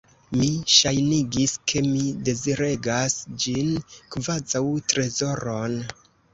Mi ŝajnigis, ke mi deziregas ĝin, kvazaŭ trezoron.